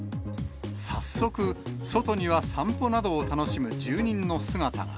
早速、外には散歩などを楽しむ住人の姿が。